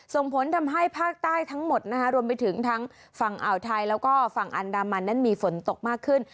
ส่งผลทำให้ภาคใต้ทั้งหมดนะคะรวมไปถึงทั้งฝั่งอ่าวไทยแล้วก็ฝั่งอันดามันนั้นมีฝนตกมากขึ้น